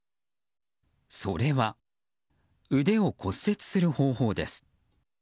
それは、腕を骨折する方法です。